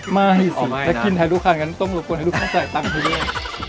ไม่สิจะกินแทนลูกค้าต้องรบกุญให้ลูกค้าใส่ตังค์ให้ด้วย